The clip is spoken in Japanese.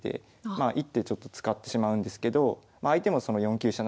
まあ１手ちょっと使ってしまうんですけど相手もその４九飛車